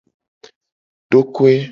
Dokoe.